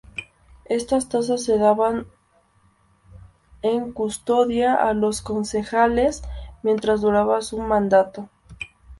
Estas tazas se daban en custodia a los concejales mientras duraba su mandato.